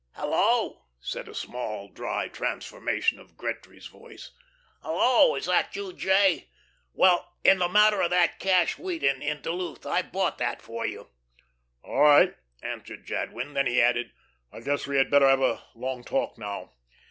"Hello!" said a small, dry transformation of Gretry's voice. "Hello, is that you, J.? Well, in the matter of that cash wheat in Duluth, I've bought that for you." "All right," answered Jadwin, then he added, "I guess we had better have a long talk now."